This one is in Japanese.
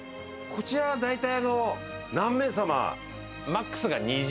こちらは大体何名様？